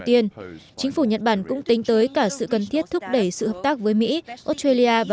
tiên chính phủ nhật bản cũng tính tới cả sự cần thiết thúc đẩy sự hợp tác với mỹ australia và